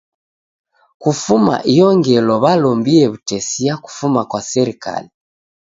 Kufuma iyo ngelo walombie w'utesia kufuma kwa serikali.